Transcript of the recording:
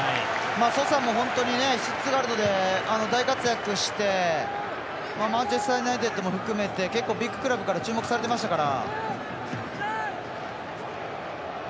ソサも本当にシュツットガルトで大活躍してマンチェスターユナイテッドとか結構、ビッグクラブから注目されてましたから。